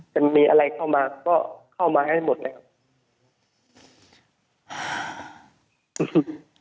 จะมีอะไรเข้ามาก็เข้ามาให้หมดเลยครับ